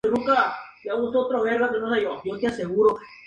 Están adaptadas a terrenos pobres y ácidos por medio de simbiosis con micorrizas.